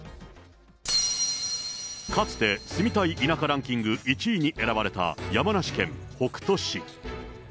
かつて、住みたい田舎ランキング１位に選ばれた山梨県北杜市。